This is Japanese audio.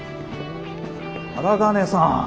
荒金さん。